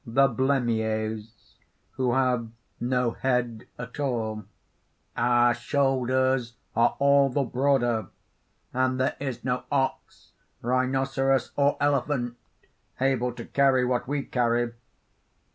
THE BLEMMYES (who have no head at all): "Our shoulders are all the broader; and there is no ox, rhinoceros, or elephant able to carry what we carry.